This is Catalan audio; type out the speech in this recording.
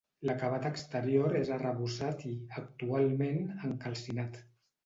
L'acabat exterior és arrebossat i, actualment, encalcinat.